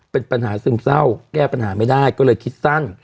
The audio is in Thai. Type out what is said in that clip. เป็นปัญหาซึมเศร้าแก้ปัญหาไม่ได้ก็เลยคิดสั้น